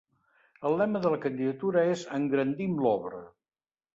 El lema de la candidatura és ‘Engrandim l’Obra’.